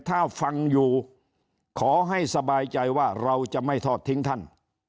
ถ้าฟังอยู่ขอให้สบายใจว่าเราจะไม่ทอดทิ้งท่าน